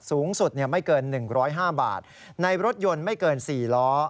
สูงสุดไม่เกิน๑๐๕บาทในรถยนต์ไม่เกิน๔ล้อ